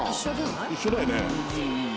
一緒だよね？